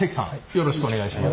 よろしくお願いします。